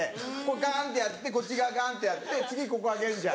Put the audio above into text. ガンってやってこっち側ガンってやって次ここ開けるじゃん。